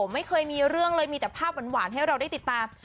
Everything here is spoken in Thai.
ไม่เคยมีเรื่องเลยมีแต่ภาพหวานให้เราได้ติดตาม